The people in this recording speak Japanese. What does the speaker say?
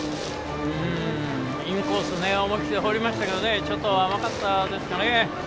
インコースを思い切り放りましたけどちょっと、甘かったですかね。